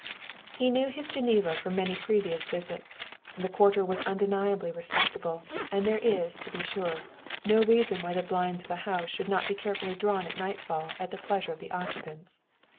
He knew his Geneva from many previous visits; the quarter was undeniably respectable; and there is, to be sure, no reason why the blinds of a house should not be carefully drawn at nightfall at the pleasure of the occupants.